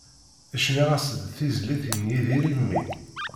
Cniɣ-as-d tizlit n Yidir i mmi.